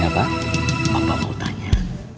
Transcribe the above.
bapak mau tanya